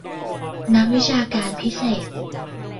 นักวิชาการพิเศษ